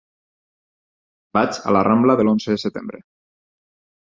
Vaig a la rambla de l'Onze de Setembre.